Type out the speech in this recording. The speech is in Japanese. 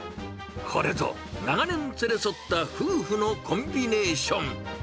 これぞ長年連れ添った夫婦のコンビネーション。